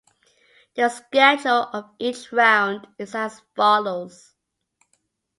The schedule of each round is as follows.